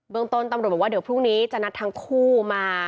ต้นตำรวจบอกว่าเดี๋ยวพรุ่งนี้จะนัดทั้งคู่มา